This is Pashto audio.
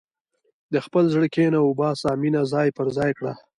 د خپل زړه کینه وباسه، مینه ځای پر ځای کړه.